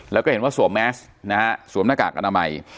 แล้วก็เห็นว่าสวมแมสนะฮะสวมหน้ากากอนามัย